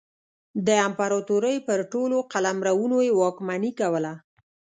د امپراتورۍ پر ټولو قلمرونو یې واکمني کوله.